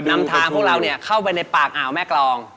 นำทางของเราเนี่ยเข้าไปในปากอ่าวแม่กรองนะครับ